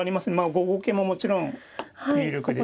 ５五桂ももちろん有力ですし。